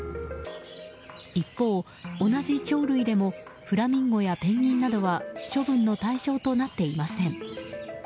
一方、同じ鳥類でもフラミンゴやペンギンなどは処分の対象となっていません。